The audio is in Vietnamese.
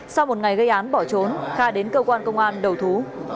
sau một ngày gây án bỏ trốn kha đến cơ quan công an đầu thú